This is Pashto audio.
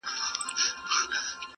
نثر يې بېل رنګ لري ښکاره,